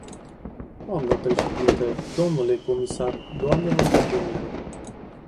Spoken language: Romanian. Dnă președintă, dle comisar, doamnelor și domnilor.